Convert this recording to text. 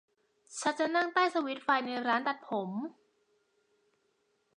ฉันจะนั่งใต้สวิตช์ไฟในร้านตัดผม